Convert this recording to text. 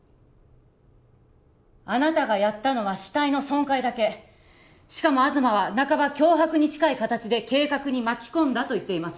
あなたがやったのは死体の損壊だけしかも東は半ば脅迫に近い形で計画に巻き込んだと言っています